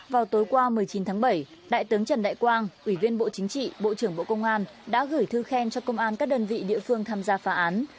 vào tối qua một mươi chín tháng bảy đại tướng trần đại quang ủy viên bộ chính trị bộ trưởng bộ công an đã gửi thư khen cho công an các đơn vị địa phương tham gia phá án